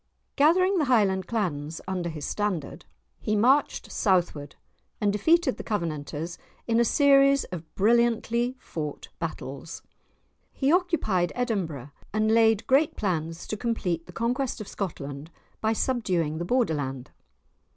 Gathering the Highland Clans under his standard, he marched Southward and defeated the Covenanters in a series of brilliantly fought battles. He occupied Edinburgh, and laid great plans to complete the conquest of Scotland by subduing the Borderland.